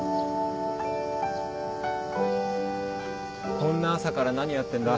こんな朝から何やってんだ？